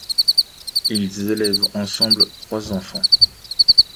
Ils élèvent ensemble trois enfants.